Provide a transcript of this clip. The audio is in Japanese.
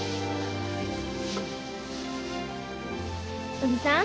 おじさん